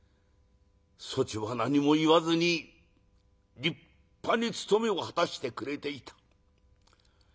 そちは何も言わずに立派に務めを果たしてくれていた。